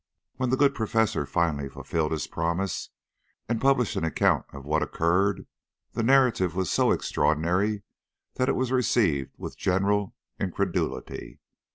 When the good Professor finally fulfilled his promise, and published an account of what occurred, the narrative was so extraordinary that it was received with general incredulity.